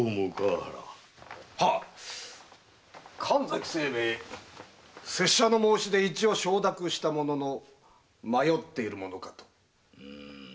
神崎清兵衛拙者の申し出一応承諾したものの迷っているものかと。